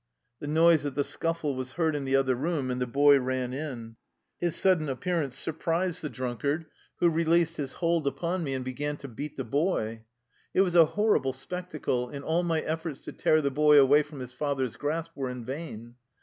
The noise of the scuffle was heard in the other room, and the boy ran in. His sudden appearance surprised the drunkard, 223 THE LIFE STOKY OF A RUSSIAN EXILE who released Ms hold upon me and began to beat the boy. It was a horrible spectacle, and all my efforts to tear the boy away from his father's grasp were in vain.